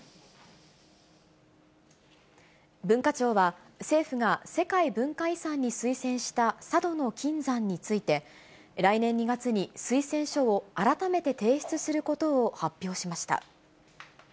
文化庁は、政府が世界文化遺産に推薦した佐渡島の金山について、来年２月に推薦書を改めて提出することを発表しました。